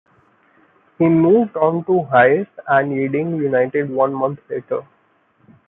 He moved on to Hayes and Yeading United one month later.